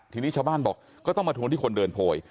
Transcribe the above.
ทีนี้ชาวบ้านบอกก็ต้องมาทวงที่คนเดินโพย